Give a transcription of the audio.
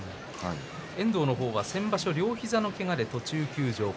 遠藤の方は先場所両膝のけがで休場でした。